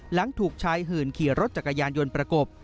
หลังถูกชายหื่นขี่รถจักรยานยนต์ประกบ